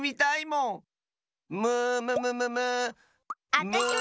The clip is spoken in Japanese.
あたしも！